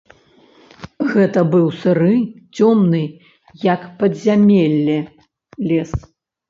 Гэта быў сыры, цёмны, як падзямелле, лес.